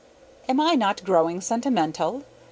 Am I not growing sentimental?